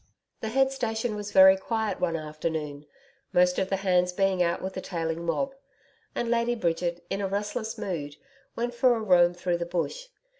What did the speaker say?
The head station was very quiet one afternoon, most of the hands being out with the tailing mob; and Lady Bridget, in a restless mood, went for a roam through the bush.